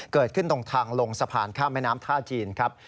เกิดขึ้นตรงทางลงสะพานข้ามแม่น้ำท่าจีนครับ